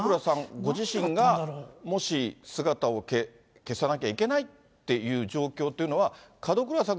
ご自身が、もし姿を消さなきゃいけないっていう状況っていうのは、門倉さん